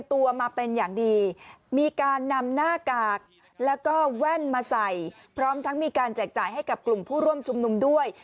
ท่านมาใส่พร้อมทั้งมีการแจกจ่ายให้กับกลุ่มผู้ร่วมชุมนุมด้วย